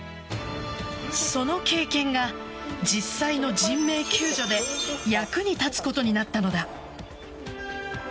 その経験が実際の人命救助で役に立つことになったのだ。